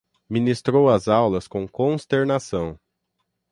Ministrou as aulas com consternação